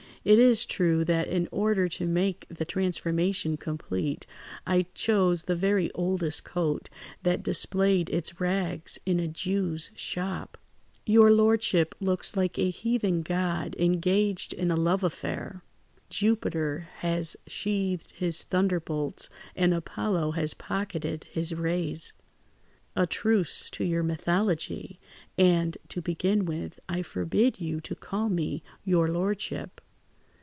It is true that, in order to make the transformation complete, I chose the very oldest coat that displayed its rags in a Jew's shop." "Your lordship looks like a heathen god engaged in a love affair. Jupiter has sheathed his thunderbolts and Apollo has pocketed his rays." "A truce to your mythology. And, to begin with, I forbid you to call me 'your lordship.